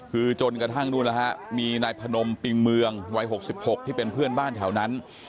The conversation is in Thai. คือจนกระทั่งนู่นแล้วฮะมีนายพนมปิงเมืองวัย๖๖ที่เป็นเพื่อนบ้านแถวนั้น